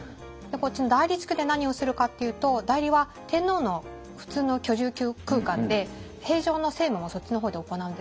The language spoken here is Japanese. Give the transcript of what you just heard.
こっちの内裏地区で何をするかっていうと内裏は天皇の普通の居住空間で平常の政務もそっちの方で行うんですね。